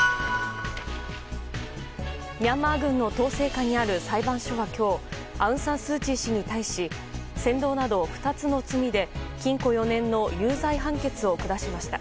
ミャンマー軍の統制下にある裁判所は今日アウン・サン・スー・チー氏に対し扇動など２つの罪で禁錮４年の有罪判決を下しました。